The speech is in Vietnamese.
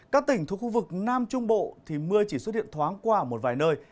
các tỉnh thuộc khu vực nam trung bộ thì mưa chỉ xuất hiện thoáng qua ở một vài nơi